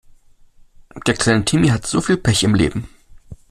Der kleine Timmy hat so viel Pech im Leben!